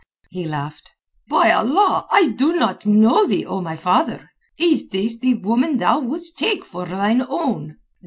He laughed. "By Allah, I do not know thee, O my father! Is this the woman thou wouldst take for thine own?